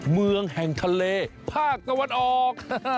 เมืองแห่งทะเลภาคตะวันออก